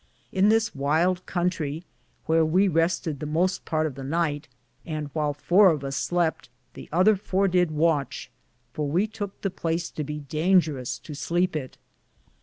In this wylde cuntrie, wheare we rested the moste part of the nyght ; and whyle 4 of us slepte, the other 4 did watche, for we touke the place to be daingerus to sleepe it.